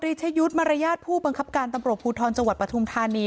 ชยุทธ์มารยาทผู้บังคับการตำรวจภูทรจังหวัดปฐุมธานี